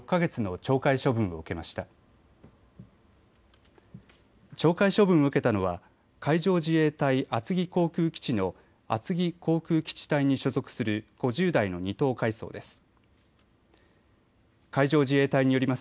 懲戒処分を受けたのは海上自衛隊厚木航空基地の厚木航空基地隊に所属する５０代の２等海曹です。